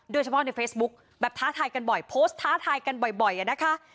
โดยเฉพาะในเฟซบุ๊คแบบท้าทายกันบ่อยโพสต์ท้าทายกันบ่อยนะคะ